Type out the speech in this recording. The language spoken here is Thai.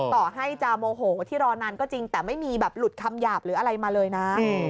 ต่อให้จะโมโหที่รอนานก็จริงแต่ไม่มีแบบหลุดคำหยาบหรืออะไรมาเลยนะ